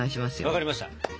分かりました。